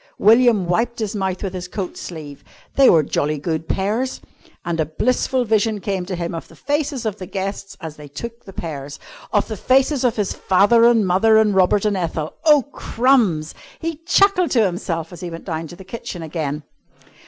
William wiped his mouth with his coat sleeve. They were jolly good pears. And a blissful vision came to him of the faces of the guests as they took the pears, of the faces of his father and mother and Robert and Ethel. Oh, crumbs! He chuckled to himself as he went down to the kitchen again.